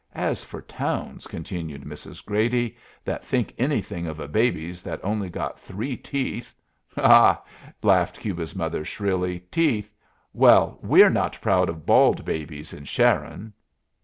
"As for towns," continued Mrs. Grady, "that think anything of a baby that's only got three teeth " "Ha! Ha!" laughed Cuba's mother, shrilly. "Teeth! Well, we're not proud of bald babies in Sharon."